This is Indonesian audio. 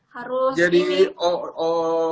harus jadi odp pdp